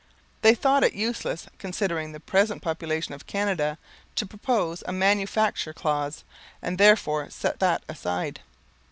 They thought it useless, considering the present population of Canada, to propose a manufacture clause, and therefore set that aside.